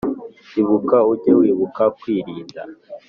Ibuka ujye wibuka kwirinda